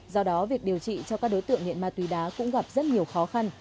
do đó việc điều trị cho các đối tượng nghiện ma túy đá cũng gặp rất nhiều khó khăn